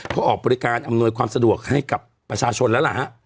เขาออกบริการอำนวยความสะดวกให้กับประชาชนแล้วล่ะฮะ